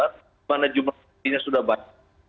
di mana jumlah vaksinnya sudah banyak